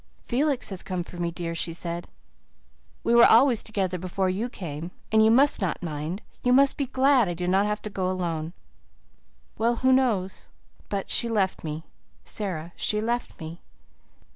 'Felix has come for me, dear,' she said. 'We were always together before you came you must not mind you must be glad I do not have to go alone.' Well, who knows? But she left me, Sara she left me."